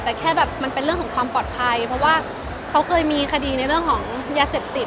แต่แค่แบบมันเป็นเรื่องของความปลอดภัยเพราะว่าเขาเคยมีคดีในเรื่องของยาเสพติด